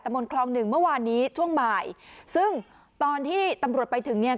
มนต์คลองหนึ่งเมื่อวานนี้ช่วงบ่ายซึ่งตอนที่ตำรวจไปถึงเนี่ย